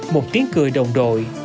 một tiếng cười đồng đội